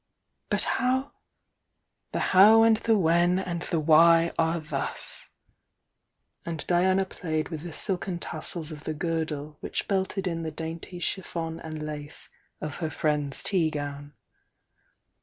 "But how " "The how and tbe when and the why are thus!" and Diana played with the silken tassels of the gkdle which belted in the dainty chMon and lace of her friend's tea gown.